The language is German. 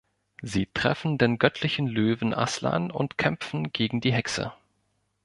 Sie treffen den göttlichen Löwen Aslan und kämpfen gegen die Hexe.